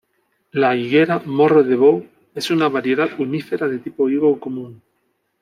La higuera 'Morro de Bou' es una variedad unífera de tipo higo común.